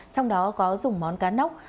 trong đó có dùng món cá nóc